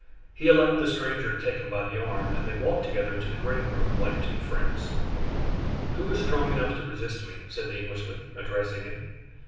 He allowed the stranger to take him by the arm, and they walked together to the greenroom like two friends. "Who is strong enough to resist me?" said the Englishman, addressing him.